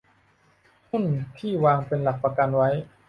หุ้นที่วางเป็นหลักประกันไว้